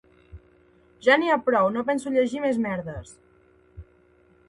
Ja n'hi ha prou, no penso llegir més merdes